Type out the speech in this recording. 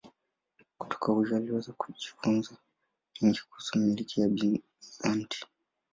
Kutoka huyu aliweza kujifunza mengi kuhusu milki ya Bizanti.